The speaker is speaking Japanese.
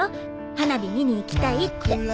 花火見に行きたいって。